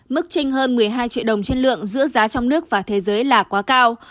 mức tranh hơn một mươi hai triệu đồng trên lượng giữa giá trong nước và thế giới là quá cao